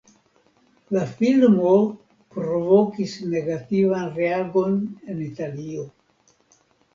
La filmo provokis negativan reagon en Italio.